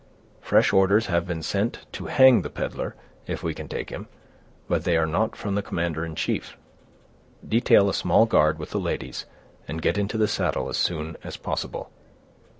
Fresh orders have been sent to hang the peddler if we can take him, but they are not from the commander in chief. Detail a small guard with the ladies, and get into the saddle as soon as possible."